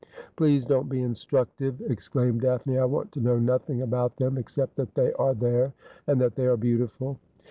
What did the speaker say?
' Please don't be instructive,' exclaimed Daphne. ' I want to know nothing about them, except that they are there, and that they are beautiful.'